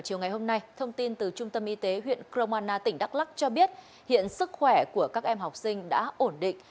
chiều ngày hôm nay thông tin từ trung tâm y tế huyện kromana tỉnh đắk lắc cho biết hiện sức khỏe của các em học sinh đã ổn định